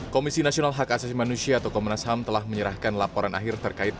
komisi nasional hak asasi manusia atau komnas ham telah menyerahkan laporan akhir terkait